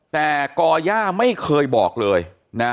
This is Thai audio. แต่ก่อย่าไม่เคยบอกเลยนะ